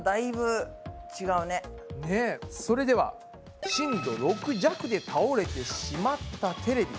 それでは震度６弱で倒れてしまったテレビ。